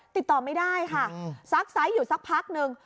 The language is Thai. ติดต่อไม่ได้ค่ะซักไซส์อยู่สักพักนึง